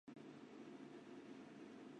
米拉贝和布拉孔。